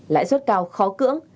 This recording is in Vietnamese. lãi suất cao khó cưỡng